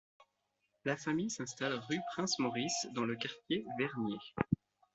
La famille s'installe rue Prince-Maurice dans le quartier Vernier.